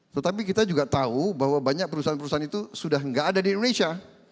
tetapi kita juga tahu bahwa banyak perusahaan perusahaan itu sudah tidak ada di indonesia